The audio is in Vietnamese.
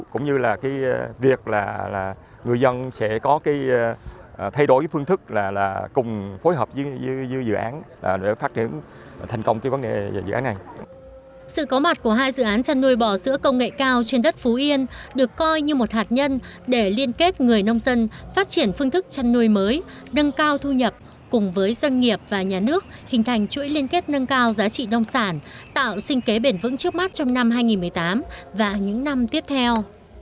các người nông dân phát triển phương thức chăn nuôi mới nâng cao thu nhập cùng với dân nghiệp và nhà nước hình thành chuỗi liên kết nâng cao giá trị nông sản tạo sinh kế bền vững trước mắt trong năm hai nghìn một mươi tám và những năm tiếp theo